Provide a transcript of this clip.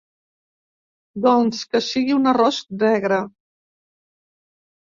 Doncs que sigui un arròs negre.